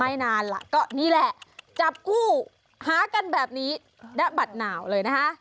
นานล่ะก็นี่แหละจับคู่หากันแบบนี้ณบัตรหนาวเลยนะคะ